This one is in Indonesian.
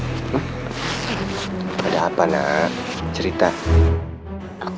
ga bisa pribadi lah